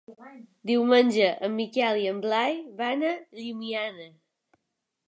Diumenge en Miquel i en Blai van a Llimiana.